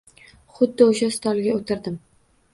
Xuddi o’sha stolga o’tirdim.